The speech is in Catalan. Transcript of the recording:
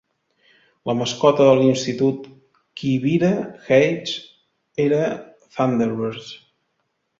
La mascota de l'institut Quivira Heights era Thunderbirds.